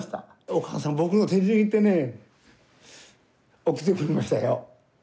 お母さん僕の手握ってね送ってくれましたよ。